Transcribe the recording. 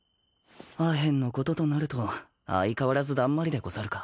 アヘンのこととなると相変わらずだんまりでござるか。